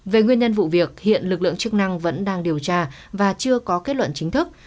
về nguyên nhân vụ việc hiện lực lượng chức năng vẫn đang điều tra và chưa có kết luận chính thức